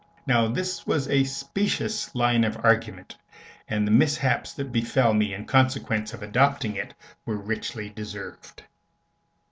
Now this was a specious line of argument, and the mishaps that befell me in consequence of adopting it were richly deserved.